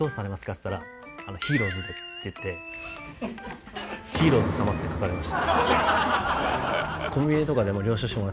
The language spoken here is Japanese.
っつったら「ヒーローズで！」って言って「ヒーローズ様」って書かれました。